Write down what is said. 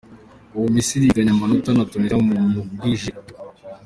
Ubu Misri inganya amanota na Tunisia mu mugwi J.